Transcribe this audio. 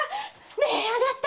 ねえあなた！